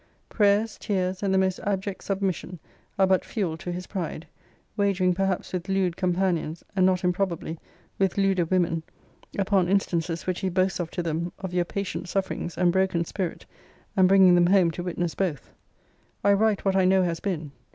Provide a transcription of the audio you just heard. Prayers, tears, and the most abject submission, are but fuel to his pride: wagering perhaps with lewd companions, and, not improbably, with lewder women, upon instances which he boasts of to them of your patient sufferings, and broken spirit, and bringing them home to witness to both. I write what I know has been.